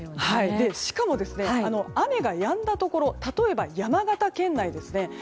しかも、雨がやんだところ例えば、山形県内ですね。